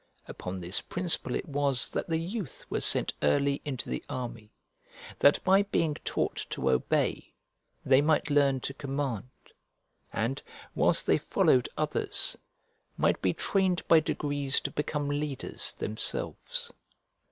Upon this principle it was that the youth were sent early into the army, that by being taught to obey they might learn to command, and, whilst they followed others, might be trained by degrees to become leaders themselves.